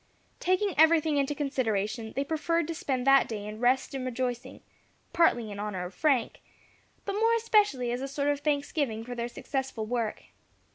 Taking everything into consideration, they preferred to spend that day in rest and rejoicing, partly in honour of Frank, but more especially as a sort of thanksgiving for their successful work.